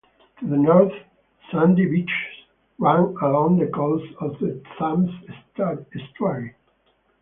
To the north, sandy beaches run along the coast of the Thames Estuary.